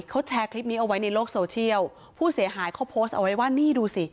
เขาแชร์คลิปนี้เอาไว้ในโลกโซเชียลผู้เสียหายเขาโพสต์เอาไว้ว่านี่ดูสิ